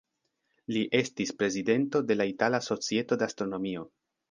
Li estis prezidento de la Itala Societo de Astronomio.